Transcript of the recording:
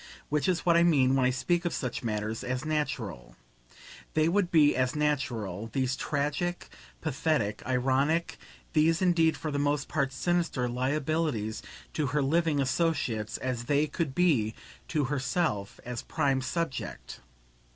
which is what I mean when I speak of such matters as "natural." They would be as natural, these tragic, pathetic, ironic, these indeed for the most part sinister, liabilities, to her living associates, as they could be to herself as prime subject.